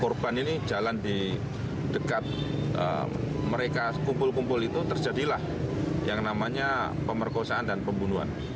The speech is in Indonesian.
korban ini jalan di dekat mereka kumpul kumpul itu terjadilah yang namanya pemerkosaan dan pembunuhan